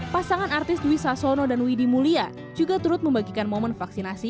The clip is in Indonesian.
pasangan artis dwi sasono dan widhi mulia juga turut membagikan momen vaksinasi